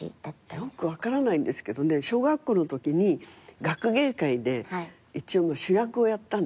よく分からないんですけどね小学校のときに学芸会で主役をやったんですね。